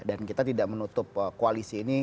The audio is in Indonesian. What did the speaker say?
kita tidak menutup koalisi ini